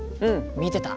見てた。